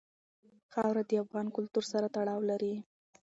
خاوره د افغان کلتور سره تړاو لري.